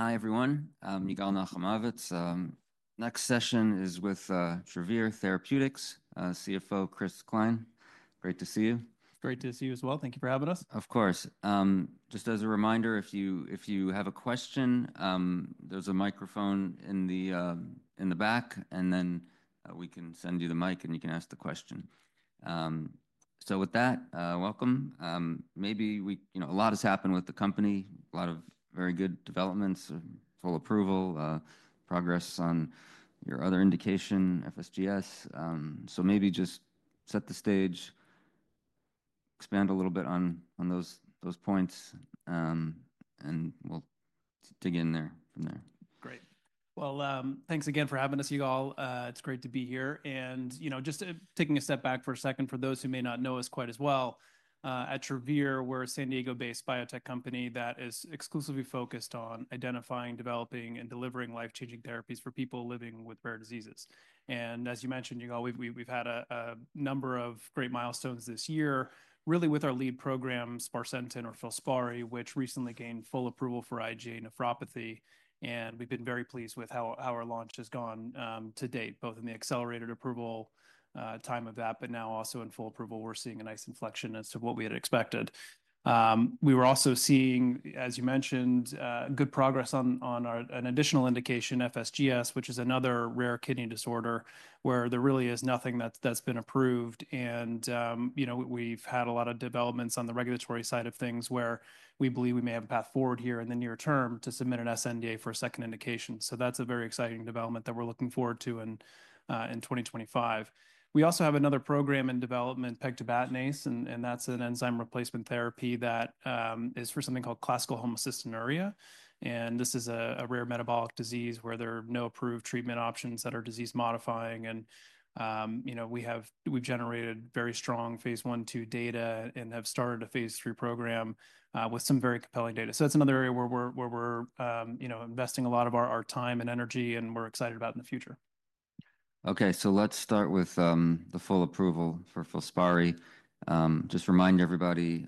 Hi, everyone. I'm Yigal Nochomovitz. Next session is with Travere Therapeutics, CFO Chris Cline. Great to see you. Great to see you as well. Thank you for having us. Of course. Just as a reminder, if you have a question, there's a microphone in the back, and then we can send you the mic, and you can ask the question. So with that, welcome. Maybe a lot has happened with the company, a lot of very good developments, full approval, progress on your other indication, FSGS. So maybe just set the stage, expand a little bit on those points, and we'll dig in there from there. Great. Well, thanks again for having us, Yigal. It's great to be here. And just taking a step back for a second, for those who may not know us quite as well, at Travere, we're a San Diego-based biotech company that is exclusively focused on identifying, developing, and delivering life-changing therapies for people living with rare diseases. And as you mentioned, Yigal, we've had a number of great milestones this year, really with our lead program, sparsentan or Filspari, which recently gained full approval for IgA nephropathy. And we've been very pleased with how our launch has gone to date, both in the accelerated approval time of that, but now also in full approval. We're seeing a nice inflection as to what we had expected. We were also seeing, as you mentioned, good progress on an additional indication, FSGS, which is another rare kidney disorder where there really is nothing that's been approved, and we've had a lot of developments on the regulatory side of things where we believe we may have a path forward here in the near term to submit an SNDA for a second indication, so that's a very exciting development that we're looking forward to in 2025. We also have another program in development, pegtibatinase, and that's an enzyme replacement therapy that is for something called classical homocystinuria, and this is a rare metabolic disease where there are no approved treatment options that are disease-modifying, and we've generated very strong phase one and two data and have started a phase three program with some very compelling data. That's another area where we're investing a lot of our time and energy and we're excited about in the future. Okay, so let's start with the full approval for Filspari. Just remind everybody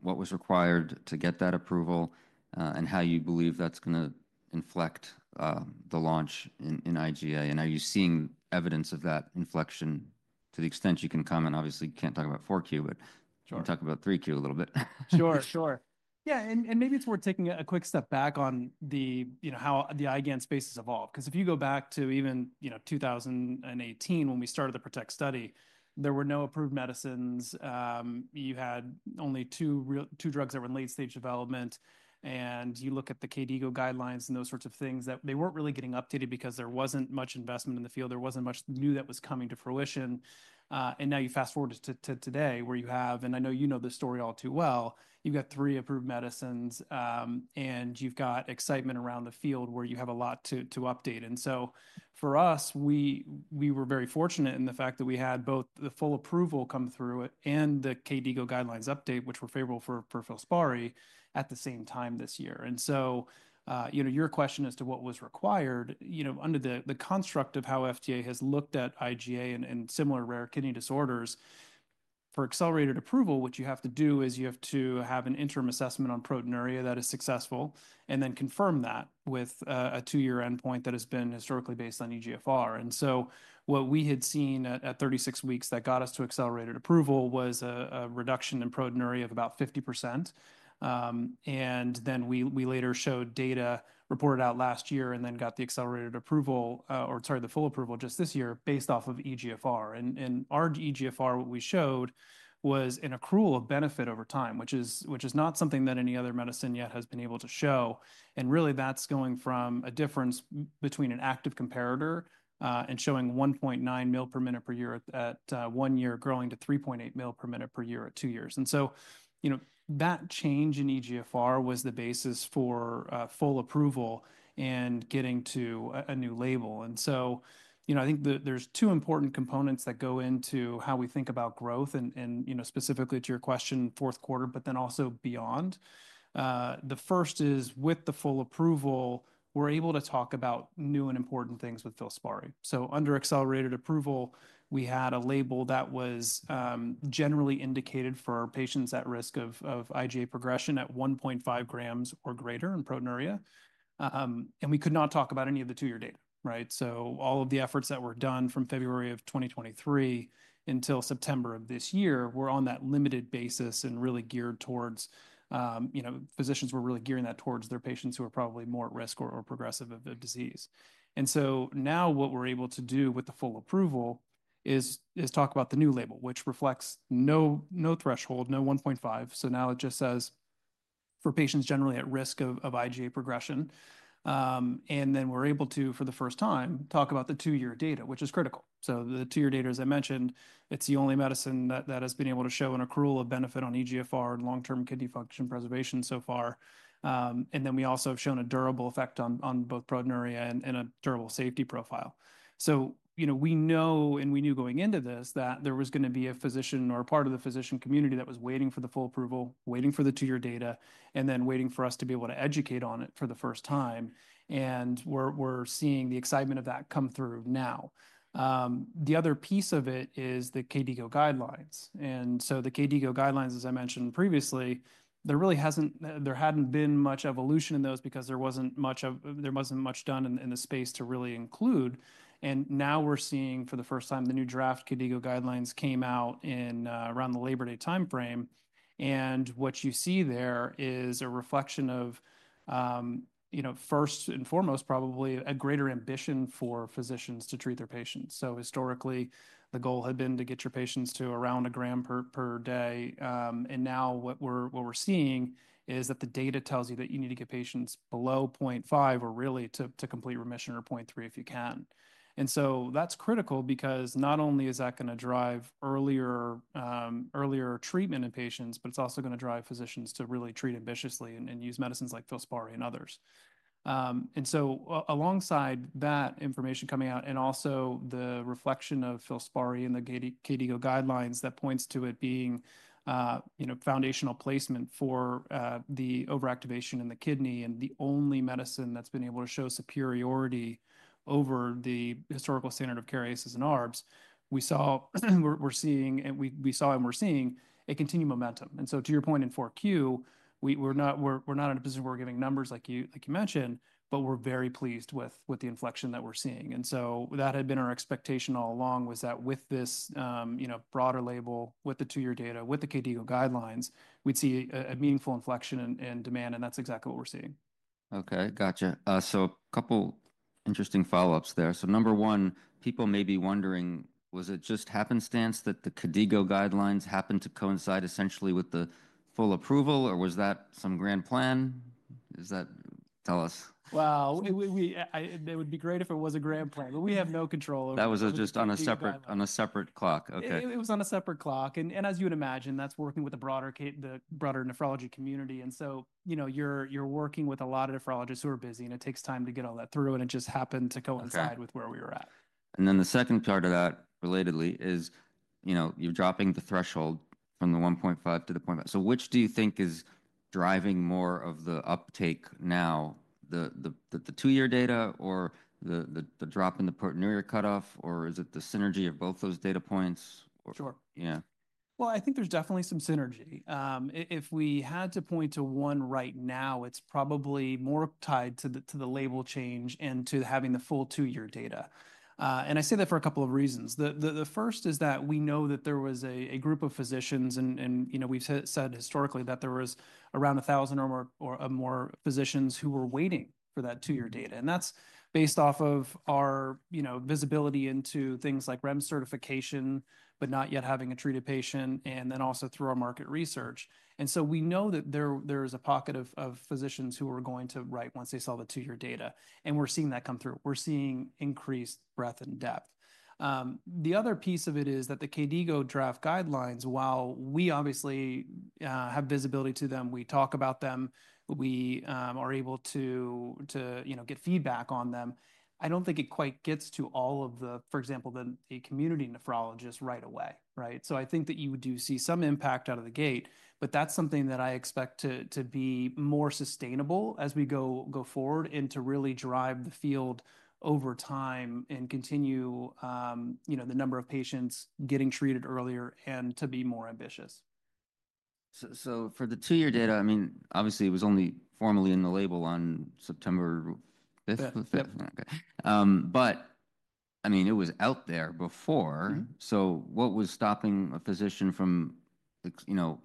what was required to get that approval and how you believe that's going to inflect the launch in IgA. And are you seeing evidence of that inflection to the extent you can comment? Obviously, you can't talk about 4Q, but you can talk about 3Q a little bit. Sure, sure. Yeah, and maybe it's worth taking a quick step back on how the IgAN space has evolved. Because if you go back to even 2018, when we started the PROTECT study, there were no approved medicines. You had only two drugs that were in late-stage development. And you look at the KDIGO guidelines and those sorts of things, that they weren't really getting updated because there wasn't much investment in the field. There wasn't much new that was coming to fruition. And now you fast forward to today where you have, and I know you know the story all too well, you've got three approved medicines, and you've got excitement around the field where you have a lot to update. And so for us, we were very fortunate in the fact that we had both the full approval come through and the KDIGO guidelines update, which were favorable for Filspari at the same time this year. And so your question as to what was required, under the construct of how FDA has looked at IgA and similar rare kidney disorders, for accelerated approval, what you have to do is you have to have an interim assessment on proteinuria that is successful and then confirm that with a two-year endpoint that has been historically based on eGFR. And so what we had seen at 36 weeks that got us to accelerated approval was a reduction in proteinuria of about 50%. And then we later showed data reported out last year and then got the accelerated approval, or sorry, the full approval just this year based off of eGFR. Our eGFR, what we showed was an accrual of benefit over time, which is not something that any other medicine yet has been able to show. Really, that's going from a difference between an active comparator and showing 1.9 mL per minute per year at one year growing to 3.8 mL per minute per year at two years. That change in eGFR was the basis for full approval and getting to a new label. I think there's two important components that go into how we think about growth, and specifically to your question, fourth quarter, but then also beyond. The first is with the full approval, we're able to talk about new and important things with Filspari. Under accelerated approval, we had a label that was generally indicated for patients at risk of IgA progression at 1.5 grams or greater in proteinuria. And we could not talk about any of the two-year data, right? So all of the efforts that were done from February of 2023 until September of this year, we're on that limited basis and really geared towards physicians were really gearing that towards their patients who are probably more at risk or progressive of the disease. And so now what we're able to do with the full approval is talk about the new label, which reflects no threshold, no 1.5. So now it just says for patients generally at risk of IgA progression. And then we're able to, for the first time, talk about the two-year data, which is critical. So the two-year data, as I mentioned, it's the only medicine that has been able to show an accrual of benefit on eGFR and long-term kidney function preservation so far. Then we also have shown a durable effect on both proteinuria and a durable safety profile. We know and we knew going into this that there was going to be a physician or a part of the physician community that was waiting for the full approval, waiting for the two-year data, and then waiting for us to be able to educate on it for the first time. We're seeing the excitement of that come through now. The other piece of it is the KDIGO guidelines. The KDIGO guidelines, as I mentioned previously, there hadn't been much evolution in those because there wasn't much done in the space to really include. Now we're seeing for the first time the new draft KDIGO guidelines came out around the Labor Day timeframe. What you see there is a reflection of, first and foremost, probably a greater ambition for physicians to treat their patients. Historically, the goal had been to get your patients to around a gram per day. Now what we're seeing is that the data tells you that you need to get patients below 0.5 or really to complete remission or 0.3 if you can. That's critical because not only is that going to drive earlier treatment in patients, but it's also going to drive physicians to really treat ambitiously and use medicines like Filspari and others. And so alongside that information coming out and also the reflection of Filspari and the KDIGO guidelines that points to it being foundational placement for the overactivation in the kidney and the only medicine that's been able to show superiority over the historical standard of ACE inhibitors and ARBs, we saw and we're seeing a continued momentum. And so to your point in 4Q, we're not in a position where we're giving numbers like you mentioned, but we're very pleased with the inflection that we're seeing. And so that had been our expectation all along was that with this broader label, with the two-year data, with the KDIGO guidelines, we'd see a meaningful inflection in demand, and that's exactly what we're seeing. Okay, gotcha. So a couple interesting follow-ups there. So number one, people may be wondering, was it just happenstance that the KDIGO guidelines happened to coincide essentially with the full approval, or was that some grand plan? Tell us. It would be great if it was a grand plan, but we have no control over that. That was just on a separate clock. Okay. It was on a separate clock, and as you would imagine, that's working with the broader nephrology community. So you're working with a lot of nephrologists who are busy, and it takes time to get all that through, and it just happened to coincide with where we were at. And then the second part of that, relatedly, is you're dropping the threshold from the 1.5 to the 0.5. So which do you think is driving more of the uptake now, the two-year data or the drop in the proteinuria cutoff, or is it the synergy of both those data points? Sure. Yeah. I think there's definitely some synergy. If we had to point to one right now, it's probably more tied to the label change and to having the full two-year data. And I say that for a couple of reasons. The first is that we know that there was a group of physicians, and we've said historically that there was around 1,000 or more physicians who were waiting for that two-year data. And that's based off of our visibility into things like REMS certification, but not yet having a treated patient, and then also through our market research. And so we know that there is a pocket of physicians who are going to write once they saw the two-year data. And we're seeing that come through. We're seeing increased breadth and depth. The other piece of it is that the KDIGO draft guidelines, while we obviously have visibility to them, we talk about them, we are able to get feedback on them, I don't think it quite gets to all of the, for example, the community nephrologists right away, right? So I think that you do see some impact out of the gate, but that's something that I expect to be more sustainable as we go forward and to really drive the field over time and continue the number of patients getting treated earlier and to be more ambitious. So for the two-year data, I mean, obviously, it was only formally in the label on September 5th. 5th. Okay. But I mean, it was out there before. So what was stopping a physician from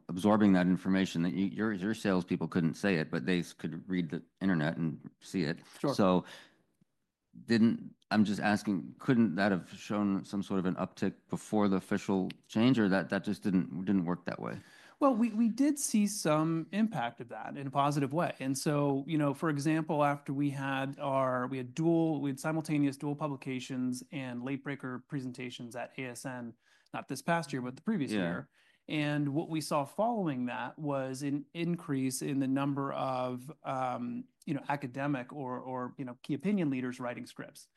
absorbing that information? Your salespeople couldn't say it, but they could read the internet and see it. So I'm just asking, couldn't that have shown some sort of an uptick before the official change, or that just didn't work that way? We did see some impact of that in a positive way. For example, after we had our simultaneous dual publications and late-breaker presentations at ASN, not this past year, but the previous year. What we saw following that was an increase in the number of academic or key opinion leaders writing scripts.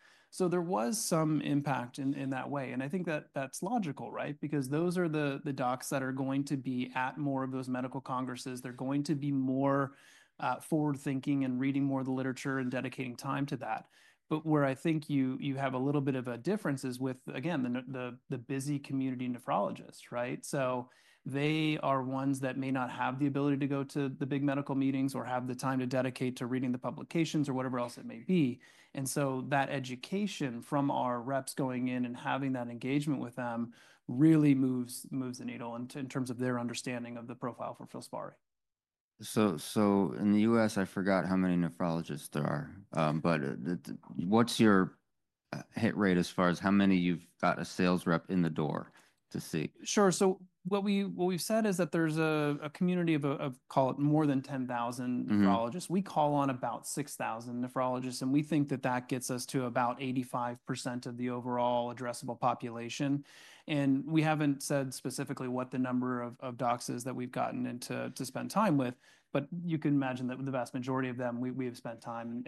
There was some impact in that way. I think that that's logical, right? Because those are the docs that are going to be at more of those medical congresses. They're going to be more forward-thinking and reading more of the literature and dedicating time to that. Where I think you have a little bit of a difference is with, again, the busy community nephrologists, right? So they are ones that may not have the ability to go to the big medical meetings or have the time to dedicate to reading the publications or whatever else it may be. And so that education from our reps going in and having that engagement with them really moves the needle in terms of their understanding of the profile for Filspari. So in the U.S., I forgot how many nephrologists there are, but what's your hit rate as far as how many you've got a sales rep in the door to see? Sure. So what we've said is that there's a community of, call it, more than 10,000 nephrologists. We call on about 6,000 nephrologists, and we think that that gets us to about 85% of the overall addressable population. We haven't said specifically what the number of docs is that we've gotten in to spend time with, but you can imagine that with the vast majority of them, we have spent time.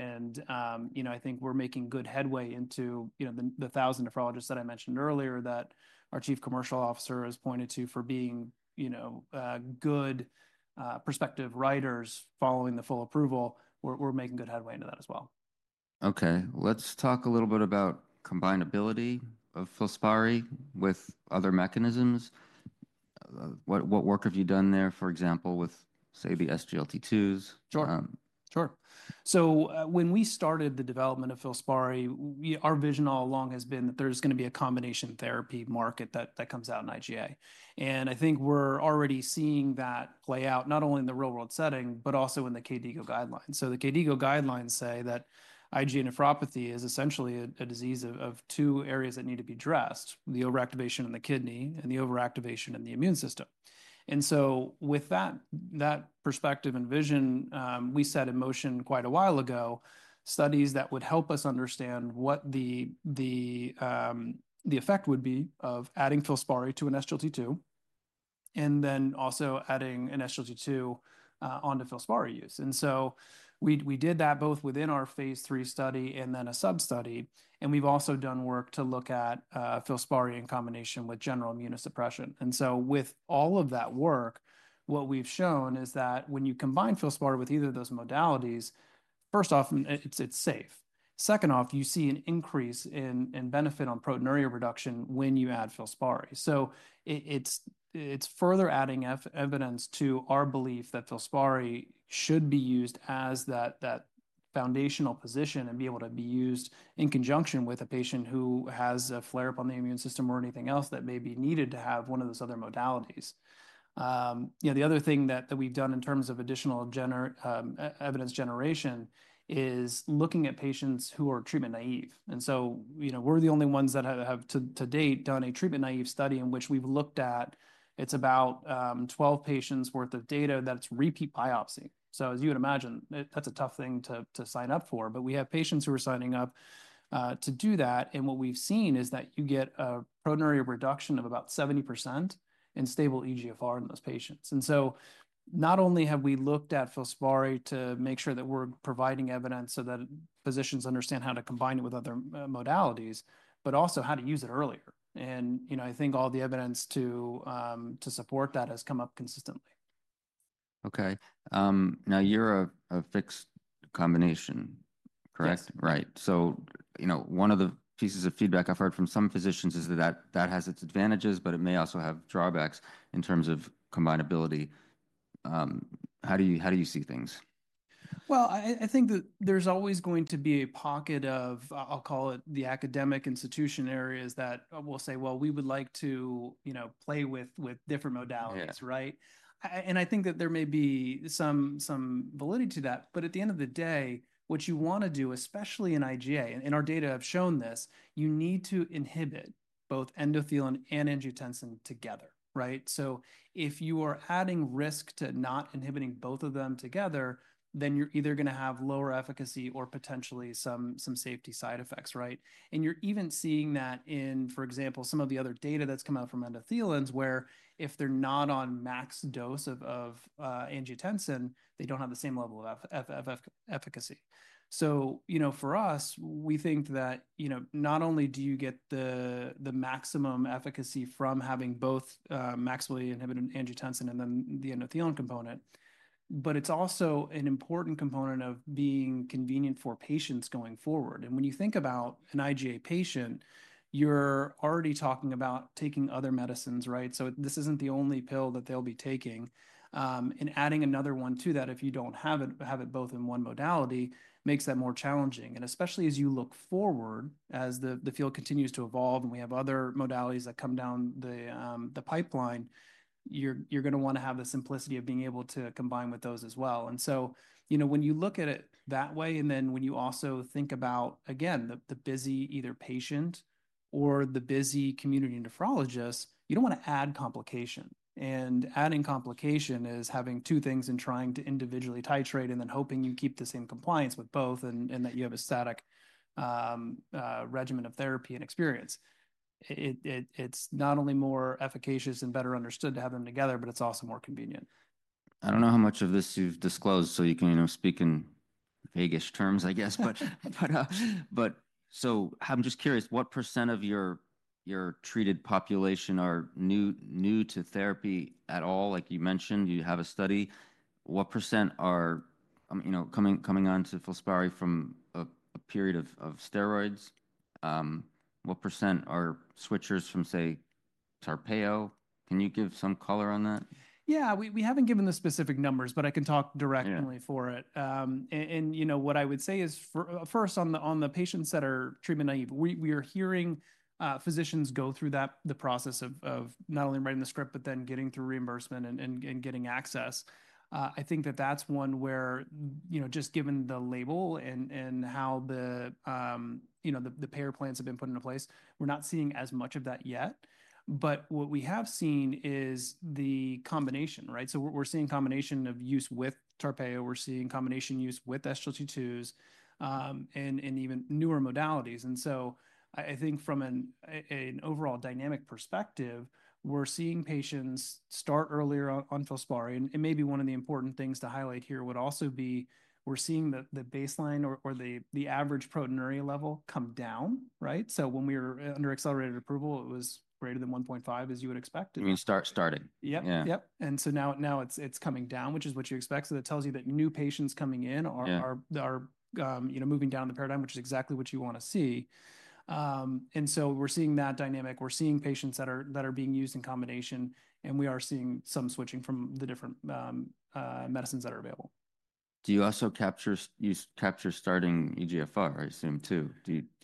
I think we're making good headway into the 1,000 nephrologists that I mentioned earlier that our chief commercial officer has pointed to for being good prospective writers following the full approval. We're making good headway into that as well. Okay, let's talk a little bit about combinability of Filspari with other mechanisms. What work have you done there, for example, with, say, the SGLT2s? Sure. So when we started the development of Filspari, our vision all along has been that there's going to be a combination therapy market that comes out in IgA. And I think we're already seeing that play out not only in the real-world setting, but also in the KDIGO guidelines. So the KDIGO guidelines say that IgA nephropathy is essentially a disease of two areas that need to be addressed, the overactivation in the kidney and the overactivation in the immune system. And so with that perspective and vision, we set in motion quite a while ago studies that would help us understand what the effect would be of adding Filspari to an SGLT2 and then also adding an SGLT2 onto Filspari use. And so we did that both within our phase three study and then a sub-study. We've also done work to look at Filspari in combination with general immunosuppression. With all of that work, what we've shown is that when you combine Filspari with either of those modalities, first off, it's safe. Second off, you see an increase in benefit on proteinuria reduction when you add Filspari. It's further adding evidence to our belief that Filspari should be used as that foundational position and be able to be used in conjunction with a patient who has a flare-up on the immune system or anything else that may be needed to have one of those other modalities. The other thing that we've done in terms of additional evidence generation is looking at patients who are treatment naive. We're the only ones that have to date done a treatment naive study in which we've looked at. It's about 12 patients' worth of data that's repeat biopsy. So as you would imagine, that's a tough thing to sign up for, but we have patients who are signing up to do that. What we've seen is that you get a proteinuria reduction of about 70% in stable eGFR in those patients. Not only have we looked at Filspari to make sure that we're providing evidence so that physicians understand how to combine it with other modalities, but also how to use it earlier. I think all the evidence to support that has come up consistently. Okay. Now you're a fixed combination, correct? Yes. Right. So one of the pieces of feedback I've heard from some physicians is that that has its advantages, but it may also have drawbacks in terms of combinability. How do you see things? Well, I think that there's always going to be a pocket of, I'll call it the academic institution areas that will say, "Well, we would like to play with different modalities," right? And I think that there may be some validity to that. But at the end of the day, what you want to do, especially in IgA, and our data have shown this, you need to inhibit both endothelin and angiotensin together, right? So if you are adding risk to not inhibiting both of them together, then you're either going to have lower efficacy or potentially some safety side effects, right? And you're even seeing that in, for example, some of the other data that's come out from endothelins, where if they're not on max dose of angiotensin, they don't have the same level of efficacy. So for us, we think that not only do you get the maximum efficacy from having both maximally inhibited angiotensin and then the endothelin component, but it's also an important component of being convenient for patients going forward. And when you think about an IgA patient, you're already talking about taking other medicines, right? So this isn't the only pill that they'll be taking. And adding another one to that, if you don't have it both in one modality, makes that more challenging. And especially as you look forward, as the field continues to evolve and we have other modalities that come down the pipeline, you're going to want to have the simplicity of being able to combine with those as well. And so when you look at it that way, and then when you also think about, again, the busy either patient or the busy community nephrologist, you don't want to add complication. And adding complication is having two things and trying to individually titrate and then hoping you keep the same compliance with both and that you have a static regimen of therapy and experience. It's not only more efficacious and better understood to have them together, but it's also more convenient. I don't know how much of this you've disclosed so you can speak in vaguish terms, I guess, but so I'm just curious, what % of your treated population are new to therapy at all? Like you mentioned, you have a study. What % are coming on to Filspari from a period of steroids? What % are switchers from, say, Tarpeyo? Can you give some color on that? Yeah, we haven't given the specific numbers, but I can talk directly for it. And what I would say is, first, on the patients that are treatment naive, we are hearing physicians go through the process of not only writing the script, but then getting through reimbursement and getting access. I think that that's one where just given the label and how the payer plans have been put into place, we're not seeing as much of that yet. But what we have seen is the combination, right? So we're seeing a combination of use with Tarpeyo. We're seeing a combination use with SGLT2s and even newer modalities. And so I think from an overall dynamic perspective, we're seeing patients start earlier on Filspari. And maybe one of the important things to highlight here would also be we're seeing the baseline or the average proteinuria level come down, right? So when we were under accelerated approval, it was greater than 1.5, as you would expect. When you start. Yep. Yep. And so now it's coming down, which is what you expect. So that tells you that new patients coming in are moving down the paradigm, which is exactly what you want to see. And so we're seeing that dynamic. We're seeing patients that are being used in combination, and we are seeing some switching from the different medicines that are available. Do you also capture starting eGFR, I assume, too?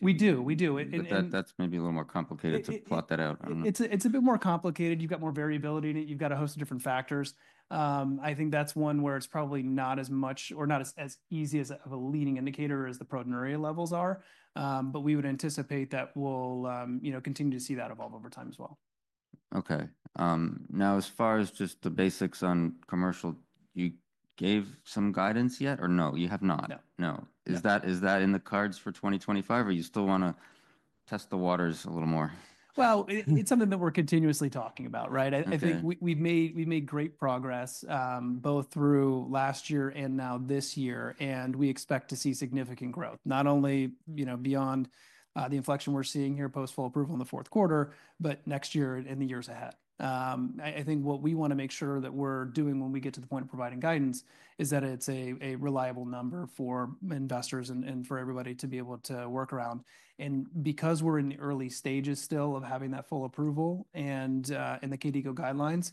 We do. We do. But that's maybe a little more complicated to plot that out. It's a bit more complicated. You've got more variability in it. You've got a host of different factors. I think that's one where it's probably not as much or not as easy as a leading indicator as the proteinuria levels are. But we would anticipate that we'll continue to see that evolve over time as well. Okay. Now, as far as just the basics on commercial, you gave some guidance yet or no? You have not? No. No. Is that in the cards for 2025, or you still want to test the waters a little more? It's something that we're continuously talking about, right? I think we've made great progress both through last year and now this year, and we expect to see significant growth, not only beyond the inflection we're seeing here post-full approval in the fourth quarter, but next year and the years ahead. I think what we want to make sure that we're doing when we get to the point of providing guidance is that it's a reliable number for investors and for everybody to be able to work around. Because we're in the early stages still of having that full approval and the KDIGO guidelines,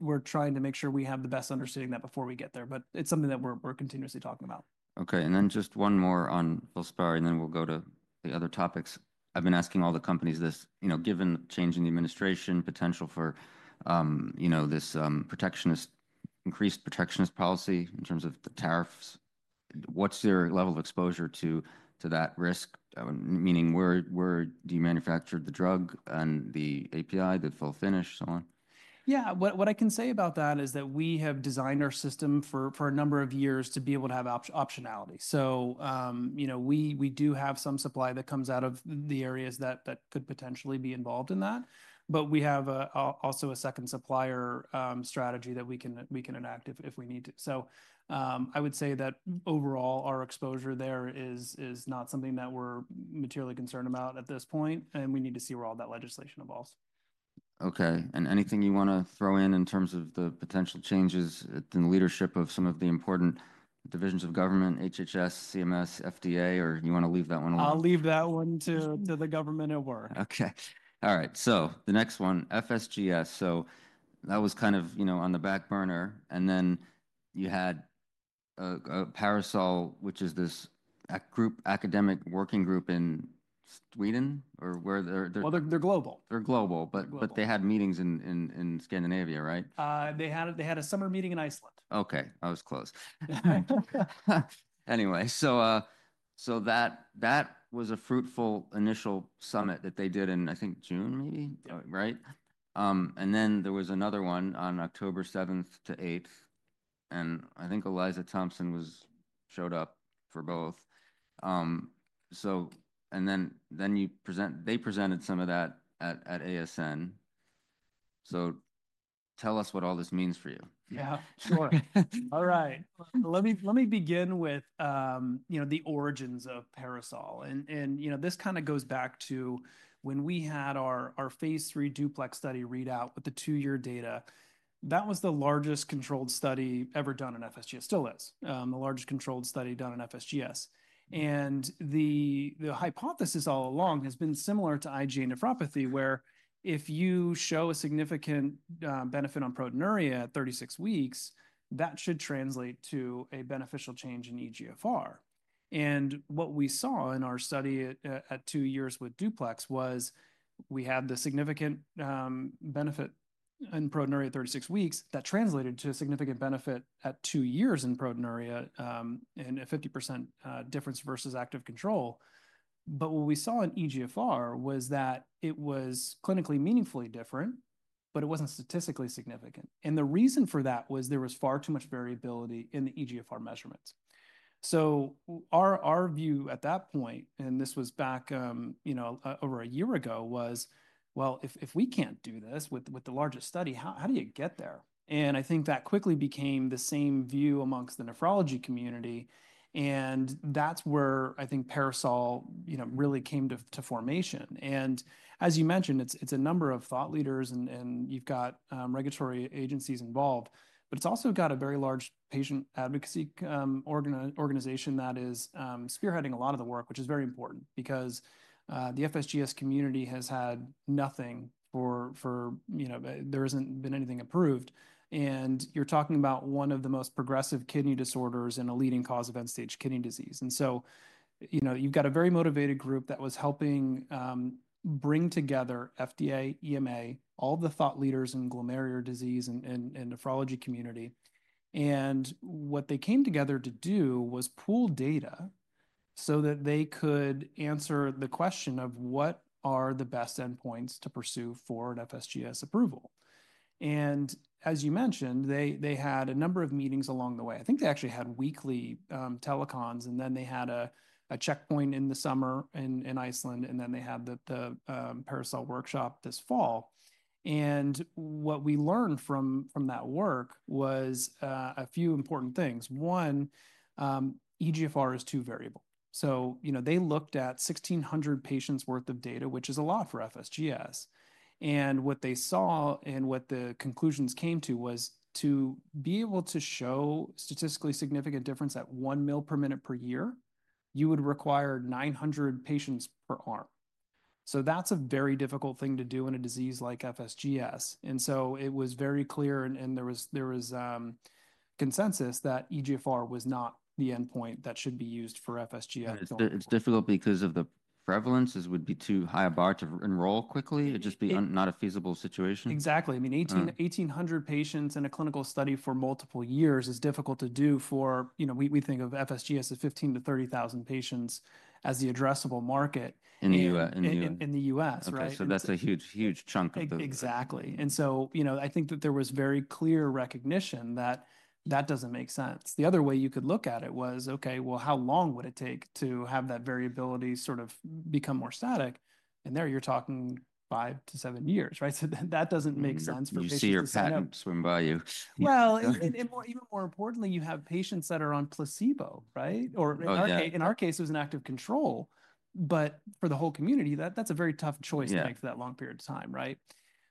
we're trying to make sure we have the best understanding of that before we get there. It's something that we're continuously talking about. Okay. And then just one more on Filspari, and then we'll go to the other topics. I've been asking all the companies this, given the change in the administration potential for this increased protectionist policy in terms of the tariffs, what's your level of exposure to that risk? Meaning, where do you manufacture the drug and the API, the finished, so on? Yeah. What I can say about that is that we have designed our system for a number of years to be able to have optionality. So we do have some supply that comes out of the areas that could potentially be involved in that, but we have also a second supplier strategy that we can enact if we need to. So I would say that overall, our exposure there is not something that we're materially concerned about at this point, and we need to see where all that legislation evolves. Okay. And anything you want to throw in in terms of the potential changes in the leadership of some of the important divisions of government, HHS, CMS, FDA, or you want to leave that one alone? I'll leave that one to the government at work. Okay. All right. So the next one, FSGS. So that was kind of on the back burner. And then you had PARASOL, which is this academic working group in Sweden or where they're. They're global. They're global, but they had meetings in Scandinavia, right? They had a summer meeting in Iceland. Okay. I was close. Anyway, so that was a fruitful initial summit that they did in, I think, June, maybe, right? And then there was another one on October 7th-8th. And I think Aliza Thompson showed up for both. And then they presented some of that at ASN. So tell us what all this means for you. Yeah, sure. All right. Let me begin with the origins of PARASOL. And this kind of goes back to when we had our phase 3 DUPLEX study readout with the two-year data. That was the largest controlled study ever done in FSGS, still is, the largest controlled study done in FSGS. And the hypothesis all along has been similar to IgA nephropathy, where if you show a significant benefit on proteinuria at 36 weeks, that should translate to a beneficial change in eGFR. And what we saw in our study at two years with DUPLEX was we had the significant benefit in proteinuria at 36 weeks that translated to a significant benefit at two years in proteinuria and a 50% difference versus active control. But what we saw in eGFR was that it was clinically meaningfully different, but it wasn't statistically significant. And the reason for that was there was far too much variability in the eGFR measurements. So our view at that point, and this was back over a year ago, was, "Well, if we can't do this with the largest study, how do you get there?" And I think that quickly became the same view amongst the nephrology community. And that's where I think PARASOL really came to formation. And as you mentioned, it's a number of thought leaders, and you've got regulatory agencies involved, but it's also got a very large patient advocacy organization that is spearheading a lot of the work, which is very important because the FSGS community has had nothing, for there hasn't been anything approved. And you're talking about one of the most progressive kidney disorders and a leading cause of end-stage kidney disease. You've got a very motivated group that was helping bring together FDA, EMA, all the thought leaders in glomerular disease and nephrology community. What they came together to do was pool data so that they could answer the question of what are the best endpoints to pursue for an FSGS approval. As you mentioned, they had a number of meetings along the way. They actually had weekly telecons, and then they had a checkpoint in the summer in Iceland, and then they had the PARASOL workshop this fall. What we learned from that work was a few important things. One, eGFR is too variable. They looked at 1,600 patients' worth of data, which is a lot for FSGS. What they saw and what the conclusions came to was to be able to show statistically significant difference at 1 ml/min/year, you would require 900 patients per arm. So that's a very difficult thing to do in a disease like FSGS. It was very clear, and there was consensus that eGFR was not the endpoint that should be used for FSGS. It's difficult because of the prevalence. It would be too high a bar to enroll quickly. It'd just be not a feasible situation. Exactly. I mean, 1,800 patients in a clinical study for multiple years is difficult to do for we think of FSGS as 15,000-30,000 patients as the addressable market. In the U.S. In the U.S., right? Okay. So that's a huge, huge chunk of the. Exactly. And so I think that there was very clear recognition that that doesn't make sense. The other way you could look at it was, "Okay, well, how long would it take to have that variability sort of become more static?" And there you're talking five to seven years, right? So that doesn't make sense for patients who have. You see your patient swim by you. Well, and even more importantly, you have patients that are on placebo, right? Or in our case, it was an active control. But for the whole community, that's a very tough choice to make for that long period of time, right?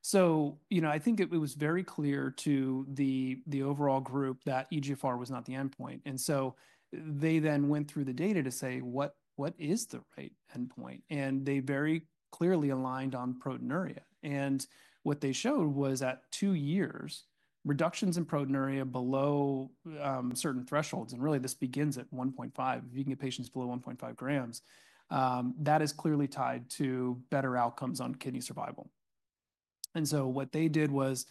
So I think it was very clear to the overall group that eGFR was not the endpoint. And so they then went through the data to say, "What is the right endpoint?" And they very clearly aligned on proteinuria. And what they showed was at two years, reductions in proteinuria below certain thresholds. And really, this begins at 1.5. If you can get patients below 1.5 grams, that is clearly tied to better outcomes on kidney survival. And so what they did was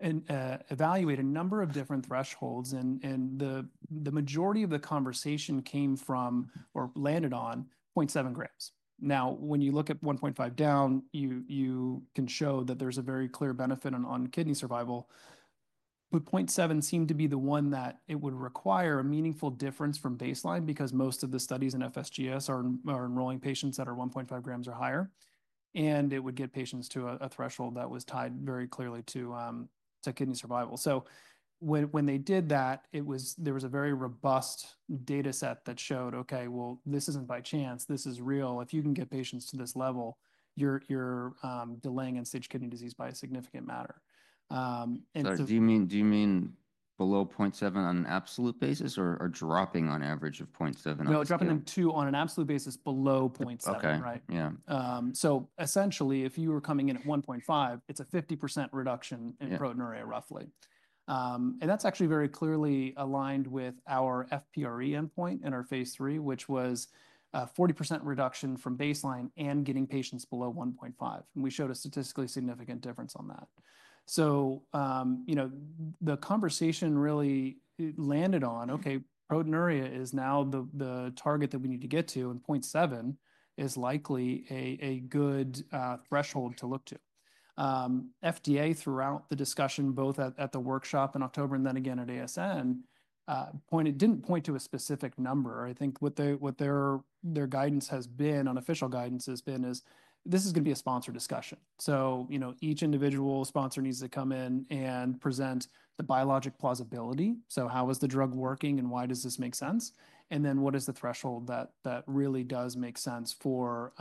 evaluate a number of different thresholds, and the majority of the conversation came from or landed on 0.7 grams. Now, when you look at 1.5 down, you can show that there's a very clear benefit on kidney survival. But 0.7 seemed to be the one that it would require a meaningful difference from baseline because most of the studies in FSGS are enrolling patients that are 1.5 grams or higher. And it would get patients to a threshold that was tied very clearly to kidney survival. So when they did that, there was a very robust data set that showed, "Okay, well, this isn't by chance. This is real. If you can get patients to this level, you're delaying end-stage kidney disease by a significant matter. Do you mean below 0.7 on an absolute basis or dropping on average of 0.7? No, dropping them to on an absolute basis below 0.7, right? Okay. Yeah. So essentially, if you were coming in at 1.5, it's a 50% reduction in proteinuria, roughly. And that's actually very clearly aligned with our FPRE endpoint in our phase three, which was a 40% reduction from baseline and getting patients below 1.5. And we showed a statistically significant difference on that. So the conversation really landed on, "Okay, proteinuria is now the target that we need to get to, and 0.7 is likely a good threshold to look to." FDA throughout the discussion, both at the workshop in October and then again at ASN, didn't point to a specific number. I think what their guidance has been on official guidance has been is this is going to be a sponsor discussion. So each individual sponsor needs to come in and present the biologic plausibility. So how is the drug working and why does this make sense? And then what is the threshold that really does make sense for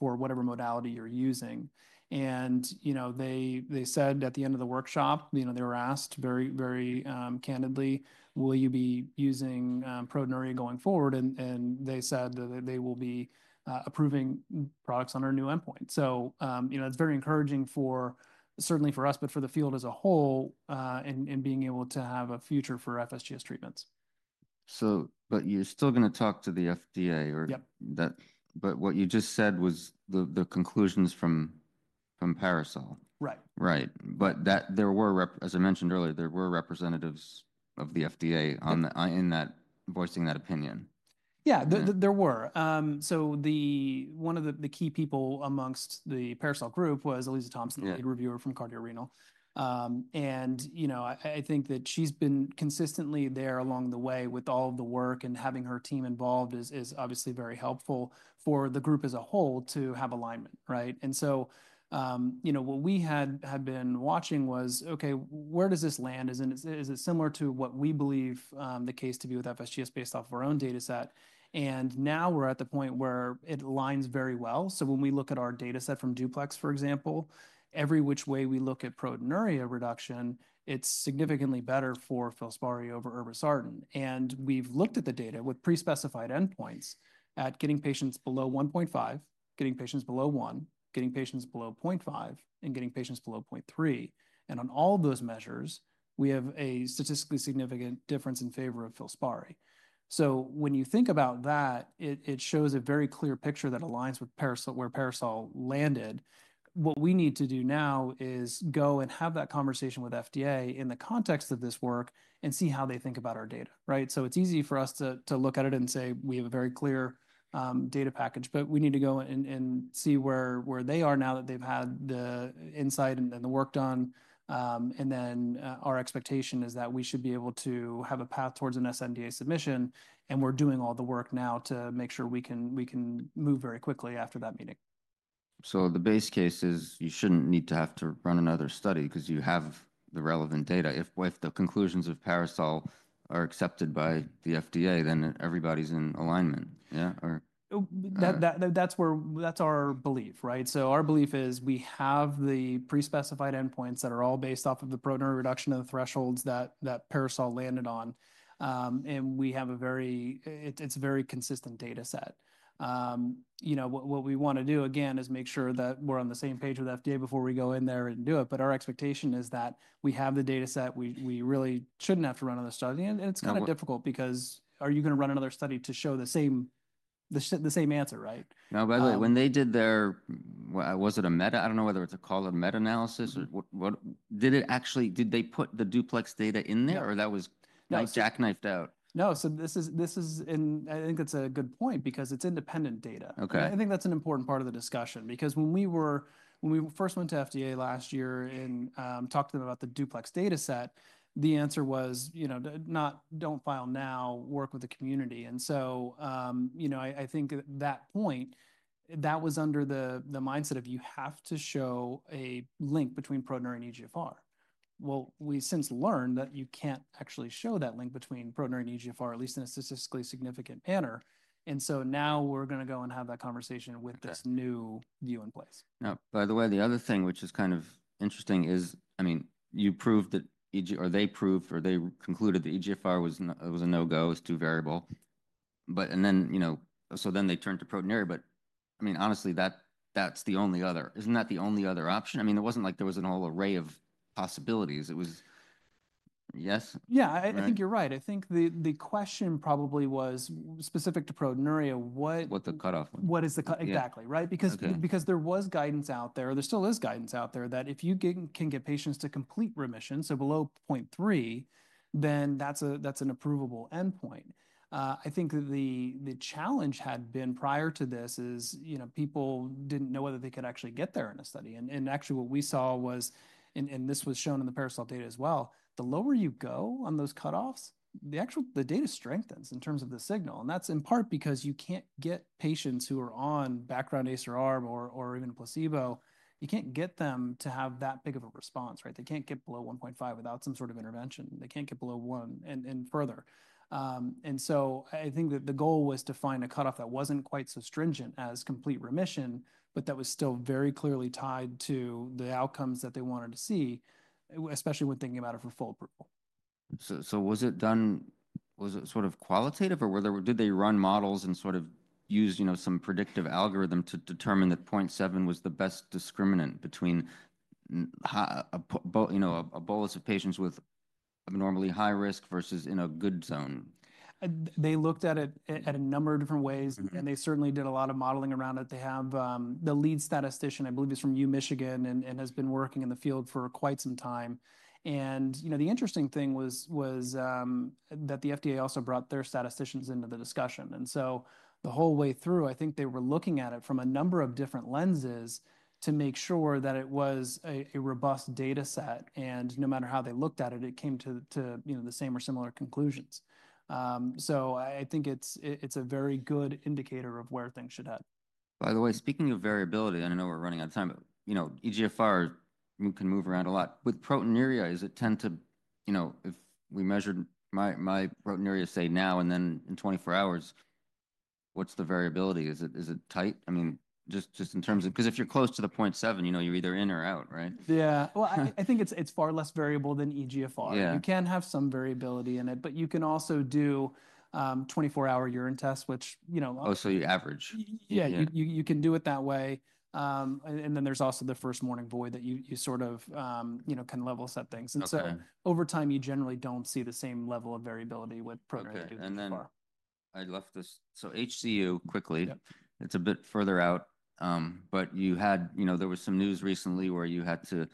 whatever modality you're using? And they said at the end of the workshop, they were asked very candidly, "Will you be using proteinuria going forward?" And they said that they will be approving products on our new endpoint. So it's very encouraging, certainly for us, but for the field as a whole and being able to have a future for FSGS treatments. But you're still going to talk to the FDA, or? Yep. But what you just said was the conclusions from PARASOL. Right. Right. But as I mentioned earlier, there were representatives of the FDA voicing that opinion. Yeah, there were. So one of the key people amongst the PARASOL group was Eliza Thompson, the lead reviewer from Cardio Renal. And I think that she's been consistently there along the way with all of the work and having her team involved is obviously very helpful for the group as a whole to have alignment, right? And so what we had been watching was, "Okay, where does this land? Is it similar to what we believe the case to be with FSGS based off of our own data set?" And now we're at the point where it aligns very well. So when we look at our data set from DUPLEX, for example, every which way we look at proteinuria reduction, it's significantly better for Filspari over irbesartan. We've looked at the data with pre-specified endpoints at getting patients below 1.5, getting patients below 1, getting patients below 0.5, and getting patients below 0.3. And on all of those measures, we have a statistically significant difference in favor of Filspari. So when you think about that, it shows a very clear picture that aligns with where PARASOL landed. What we need to do now is go and have that conversation with FDA in the context of this work and see how they think about our data, right? So it's easy for us to look at it and say, "We have a very clear data package," but we need to go and see where they are now that they've had the insight and the work done. Our expectation is that we should be able to have a path towards an SNDA submission, and we're doing all the work now to make sure we can move very quickly after that meeting. The base case is you shouldn't need to have to run another study because you have the relevant data. If the conclusions of PARASOL are accepted by the FDA, then everybody's in alignment, yeah? That's our belief, right? So our belief is we have the pre-specified endpoints that are all based off of the proteinuria reduction of the thresholds that PARASOL landed on. And it's a very consistent data set. What we want to do, again, is make sure that we're on the same page with FDA before we go in there and do it. But our expectation is that we have the data set. We really shouldn't have to run another study. And it's kind of difficult because are you going to run another study to show the same answer, right? Now, by the way, when they did their, was it a meta? I don't know whether it's called a meta-analysis. Did they put the DUPLEX data in there, or that was jackknifed out? No. So this is, and I think that's a good point because it's independent data. I think that's an important part of the discussion because when we first went to FDA last year and talked to them about the DUPLEX data set, the answer was, "Don't file now. Work with the community," and so I think at that point, that was under the mindset of you have to show a link between proteinuria and eGFR, well, we've since learned that you can't actually show that link between proteinuria and eGFR, at least in a statistically significant manner, and so now we're going to go and have that conversation with this new view in place. Now, by the way, the other thing, which is kind of interesting, is I mean, you proved that or they proved, or they concluded that eGFR was a no-go, it was too variable, and then they turned to proteinuria, but I mean, honestly, that's the only other, isn't that the only other option? I mean, it wasn't like there was a whole array of possibilities. It was, yes? Yeah, I think you're right. I think the question probably was specific to proteinuria. What the cutoff was? What is the cutoff? Exactly, right? Because there was guidance out there, or there still is guidance out there, that if you can get patients to complete remission, so below 0.3, then that's an approvable endpoint. I think the challenge had been prior to this is people didn't know whether they could actually get there in a study. And actually, what we saw was, and this was shown in the PARASOL data as well, the lower you go on those cutoffs, the data strengthens in terms of the signal. And that's in part because you can't get patients who are on background ACE or ARB or even placebo. You can't get them to have that big of a response, right? They can't get below 1.5 without some sort of intervention. They can't get below 1 and further. And so I think that the goal was to find a cutoff that wasn't quite so stringent as complete remission, but that was still very clearly tied to the outcomes that they wanted to see, especially when thinking about it for full approval. So was it done, was it sort of qualitative, or did they run models and sort of use some predictive algorithm to determine that 0.7 was the best discriminant between a bolus of patients with abnormally high risk versus in a good zone? They looked at it at a number of different ways, and they certainly did a lot of modeling around it. They have the lead statistician, I believe he's from U-Michigan, and has been working in the field for quite some time. And the interesting thing was that the FDA also brought their statisticians into the discussion. And so the whole way through, I think they were looking at it from a number of different lenses to make sure that it was a robust data set. And no matter how they looked at it, it came to the same or similar conclusions. So I think it's a very good indicator of where things should head. By the way, speaking of variability, and I know we're running out of time, but eGFR can move around a lot. With proteinuria, does it tend to, if we measured my proteinuria, say, now and then in 24 hours, what's the variability? Is it tight? I mean, just in terms of, because if you're close to the 0.7, you're either in or out, right? Yeah. Well, I think it's far less variable than eGFR. You can have some variability in it, but you can also do 24-hour urine tests, which. Oh, so you average. Yeah. You can do it that way. And then there's also the first morning void that you sort of can level set things. And so over time, you generally don't see the same level of variability with proteinuria and eGFR. And then I left this, so HCU quickly. It's a bit further out. But there was some news recently where you had to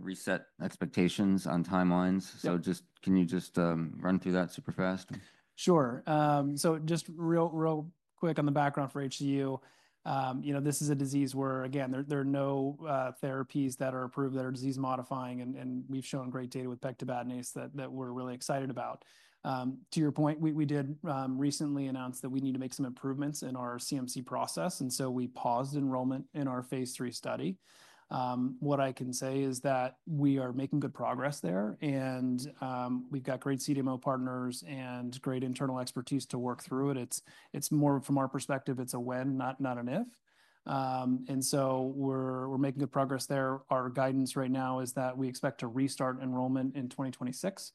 reset expectations on timelines. So can you just run through that super fast? Sure, so just real quick on the background for HCU. This is a disease where, again, there are no therapies that are approved that are disease-modifying, and we've shown great data with Pegtibatinase that we're really excited about. To your point, we did recently announce that we need to make some improvements in our CMC process, and so we paused enrollment in our phase three study. What I can say is that we are making good progress there, and we've got great CDMO partners and great internal expertise to work through it. It's more from our perspective, it's a when, not an if, and so we're making good progress there. Our guidance right now is that we expect to restart enrollment in 2026.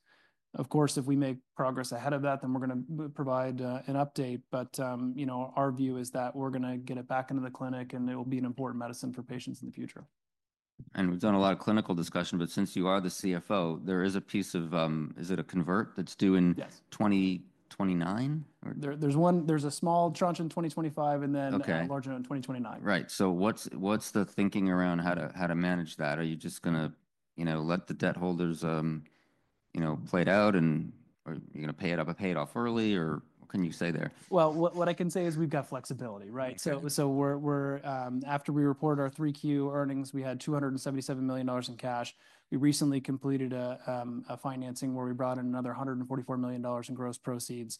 Of course, if we make progress ahead of that, then we're going to provide an update. But our view is that we're going to get it back into the clinic, and it will be an important medicine for patients in the future. And we've done a lot of clinical discussion, but since you are the CFO, there is a piece of, is it a convert that's due in 2029? There's a small tranche in 2025, and then a large one in 2029. Right. So what's the thinking around how to manage that? Are you just going to let the debt holders play it out, or are you going to pay it off early, or what can you say there? What I can say is we've got flexibility, right? After we reported our 3Q earnings, we had $277 million in cash. We recently completed a financing where we brought in another $144 million in gross proceeds.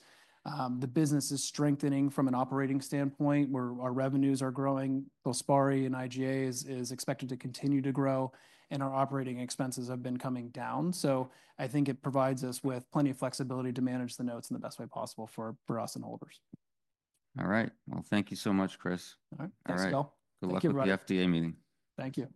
The business is strengthening from an operating standpoint where our revenues are growing. Filspari and IgA is expected to continue to grow. Our operating expenses have been coming down. I think it provides us with plenty of flexibility to manage the notes in the best way possible for us and holders. All right, well, thank you so much, Chris. All right. Thanks, Bill. Good luck with the FDA meeting. Thank you.